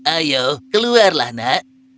ayo keluarlah nak